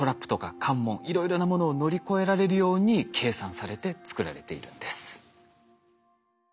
いろいろなものを乗り越えられるように計算されて作られているんです。